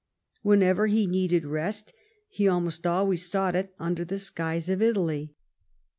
When ever he needed rest he almost always sought it under the skies of Italy.